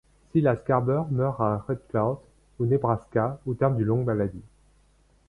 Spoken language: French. Silas Garber meurt à Red Cloud, au Nebraska, au terme d'une longue maladie.